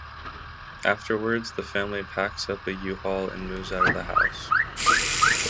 Afterwards, the family packs up a U-Haul and moves out of the house.